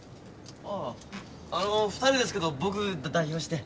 ああの２人ですけど僕が代表して。